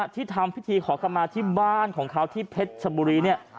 ที่ทำพิธีขอข้อมาที่บ้านของเขาที่เพชรสมบูรี